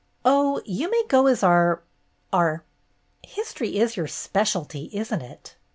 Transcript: "Oh, you may go as our — our — History is your specialty, is n't it